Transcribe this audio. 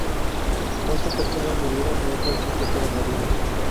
Once personas murieron y otras siete fueron heridas.